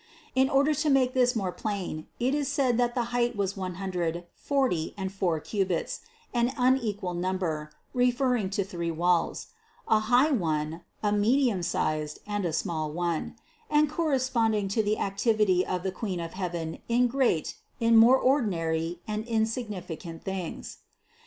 In order to make this more plain, it is said that the height was one hundred, forty, and four cubits, an unequal number, referring to three walls : a high one, a medium sized and a small one, and corresponding to the activity of the Queen of heaven in great, in more ordinary and insignificant things.